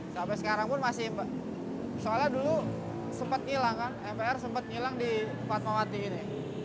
sampai sekarang pun masih soalnya dulu sempat hilang kan mpr sempat ngilang di fatmawati ini